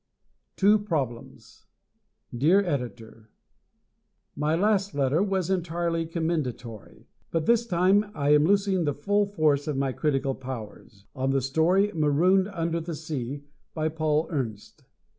Two Problems Dear Editor: My last letter was entirely commendatory, but this time I am losing the full force of my critical powers (?) on the story "Marooned Under the Sea," by Paul Ernst.